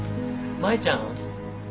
舞ちゃん。